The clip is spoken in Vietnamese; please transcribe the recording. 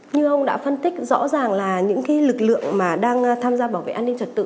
như ông đã phân tích rõ ràng là những lực lượng mà đang tham gia bảo vệ an ninh trật tự